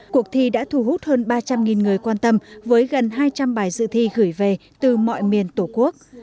cuộc thi đã thu hút hơn ba trăm linh người quan tâm với gần hai trăm linh bài dự thi gửi về từ mọi miền tổ quốc